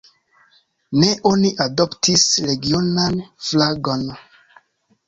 Ne oni adoptis regionan flagon.